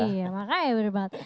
iya makanya benar banget